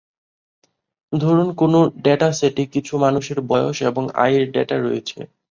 ধরুন কোন ডেটাসেটে কিছু মানুষের বয়স এবং আয়ের ডেটা রয়েছে।